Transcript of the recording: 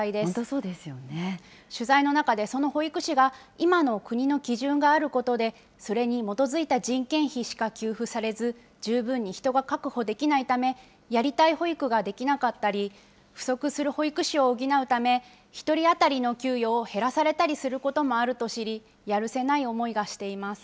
取材の中で、その保育士が今の国の基準があることで、それに基づいた人件費しか給付されず、十分に人が確保できないため、やりたい保育ができなかったり、不足する保育士を補うため、１人当たりの給与を減らされたりすることもあると知り、やるせない思いがしています。